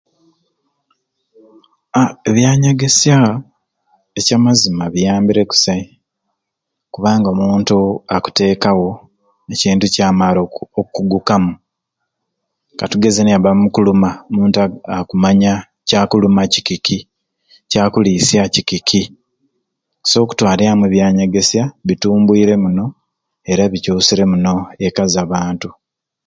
Aa ebyanyegesya ekyamazima biyambire kusai kubanga omuntu akuteekawo ekintu kyamaare oku okukugukamu katugeze nikubba omu kulina omuntu akumanya kyakuluma kikiki kyakulisya kikiki so okutwarya amwe ebyanyegesya bitumbwire muno era bikyukire muno eka z'abantu.